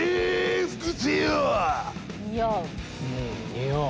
似合う。